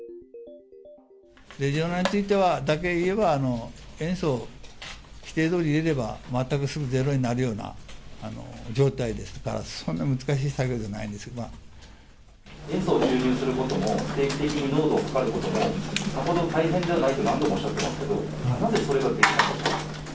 レジオネラについてだけ言えば、塩素、規定どおり入れれば全くすぐゼロになるような状態でしたから、そんな難しい作業じ塩素を注入することも、定期的に濃度を測ることも、さほど大変じゃないと何度もおっしゃってますけど、なぜそれができなかったんですか？